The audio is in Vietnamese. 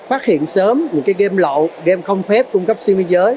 phát hiện sớm những cái game lậu game không phép cung cấp xuyên biên giới